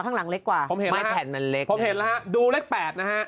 ข้างหลังเล็กกว่าผมเห็นไหมแผ่นมันเล็กผมเห็นแล้วฮะดูเลขแปดนะฮะ